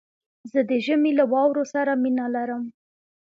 زه د ژمي له واورو سره مينه لرم